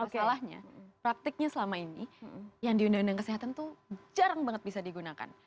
masalahnya praktiknya selama ini yang di undang undang kesehatan itu jarang banget bisa digunakan